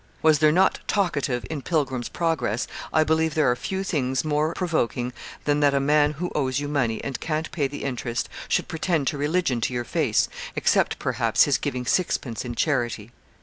Was there not Talkative in 'Pilgrim's Progress?' I believe there are few things more provoking than that a man who owes you money, and can't pay the interest, should pretend to religion to your face, except, perhaps, his giving sixpence in charity.